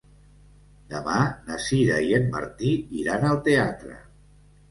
Demà na Sira i en Martí iran al teatre.